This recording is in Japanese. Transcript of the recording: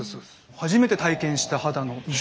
初めて体験した肌の異常。